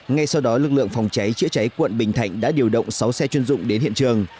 ngay sau đó lực lượng phòng cháy chữa cháy quận bình thạnh đã điều động sáu xe chuyên dụng đến hiện trường